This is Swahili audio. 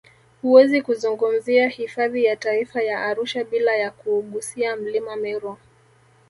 Huwezi kuzungumzia hifadhi ya taifa ya Arusha bila ya kuugusia mlima Meru